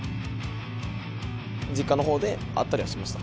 実家のほうで会ったりはしました。